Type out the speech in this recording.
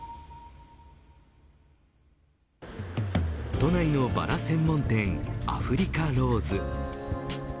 都内のバラ専門店アフリカローズ。